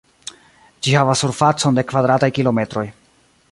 Ĝi havas surfacon de kvadrataj kilometroj.